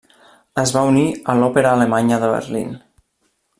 Es va unir a l'Òpera Alemanya de Berlín.